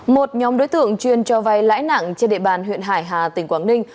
một nhóm đối tượng chuyên cho vay lãi nặng trên địa bàn huyện hải hà tỉnh quảng ninh